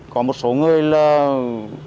để đe dọa người vay